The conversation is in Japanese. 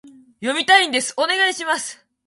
読みたいんです、お願いします